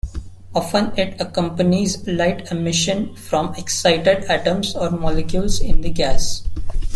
Often it accompanies light emission from excited atoms or molecules in the gas.